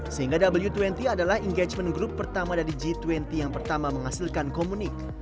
sehingga w dua puluh adalah engagement group pertama dari g dua puluh yang pertama menghasilkan komunik